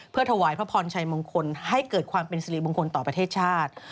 ถวายพระพรชัยมงคลให้เกิดความเป็นสิริมงคลต่อประเทศชาติ